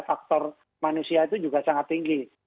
faktor manusia itu juga sangat tinggi